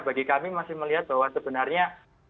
bagi kami masih melihat bahwa sebenarnya